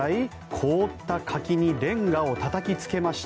凍った柿にレンガをたたきつけました。